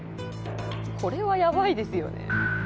「これはやばいですよね」